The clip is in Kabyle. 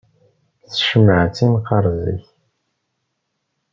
S tcemmaɛt i neqqaṛ zik.